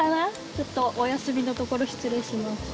ちょっとお休みのところ失礼します。